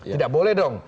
tidak boleh dong